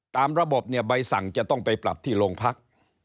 ตามระบบเนี่ยใบสั่งจะต้องไปปรับที่โรงพัก